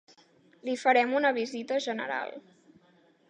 Li farem una visita general.